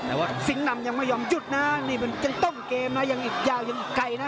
แต่ว่าสิงค์นำยังไม่ยอมหยุดนะนี่มันยังต้นเกมนะยังอีกยาวยังอีกไกลนะ